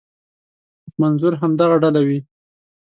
منظور همدغه ډله وي.